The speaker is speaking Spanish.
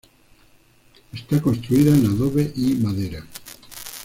Está construida en adobe y madera.